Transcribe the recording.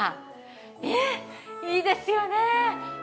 ねえいいですよね！